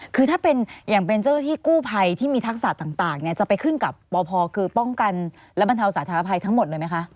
คือถ้าเป็นเจ้าที่กู้ภัยที่มีทักษะต่างจะไปขึ้นกับปพคือป้องกันระบันเทาสาธารภัยทั้งหมดเลยไหมคะ